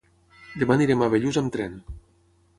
Demà anirem a Bellús amb tren.